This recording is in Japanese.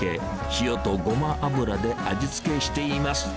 塩とごま油で味付けしています。